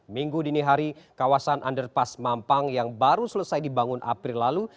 minggu dini hari kawasan underpass mampang yang baru selesai dibangun april lalu